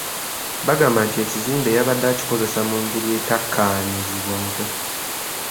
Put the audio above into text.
Bagamba nti ekizimbe yabadde akikozeseza mu ngeri etakkaanyizibwako.